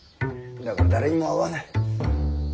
だから誰にも会わぬ。